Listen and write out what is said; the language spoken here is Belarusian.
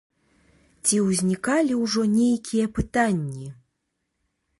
Ці ўзнікалі ўжо нейкія пытанні?